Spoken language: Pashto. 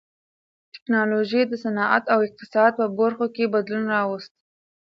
ټکنالوژۍ د صنعت او اقتصاد په برخو کې بدلون راوست.